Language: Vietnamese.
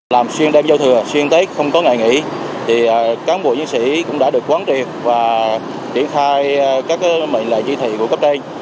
làm xuyên đêm giao thừa xuyên tết không có ngày nghỉ thì các ông bộ nhân sĩ cũng đã được quán triệt và triển khai các mệnh lệ dự thị của cấp đêm